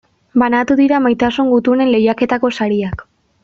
Banatu dira Maitasun Gutunen lehiaketako sariak.